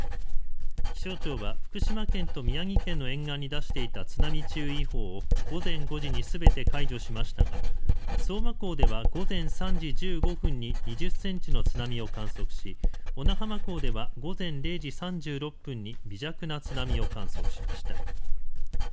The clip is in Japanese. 気象庁は福島県と宮城県の沿岸に出していた津波注意報を午前５時にすべて解除しましたが相馬港では午前３時１５分に２０センチの津波を観測し小名浜港では午前０時３６分に微弱な津波を観測しました。